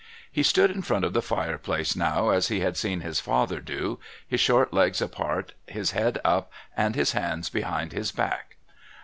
He stood in front of the fireplace now as he had seen his father do, his short legs apart, his head up, and his hands behind his back.